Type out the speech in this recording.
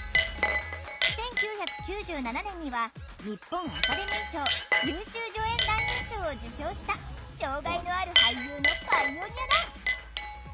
１９９７年には日本アカデミー賞優秀助演男優賞を受賞した障害のある俳優のパイオニアだ！